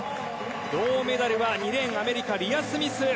銅メダルは２レーン、アメリカリア・スミス。